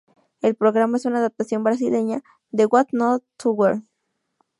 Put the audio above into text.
El programa es una adaptación brasileña de What not to wear!